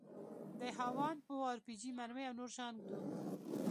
د هاوان او ار پي جي مرمۍ او نور شيان ږدو.